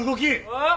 あっ！？